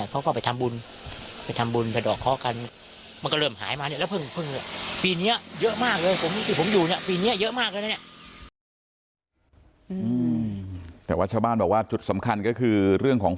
เขาก็ไปทำบุญไปทำบุญสะดอกเคาะกันมันก็เริ่มหายมาเนี่ยแล้ว